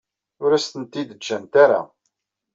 Ur asent-t-id-ǧǧant ara.